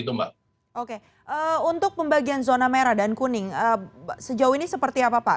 untuk pembagian zona merah dan kuning sejauh ini seperti apa pak